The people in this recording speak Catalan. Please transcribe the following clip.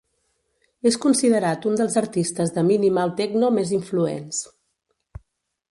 És considerat un dels artistes de minimal techno més influents.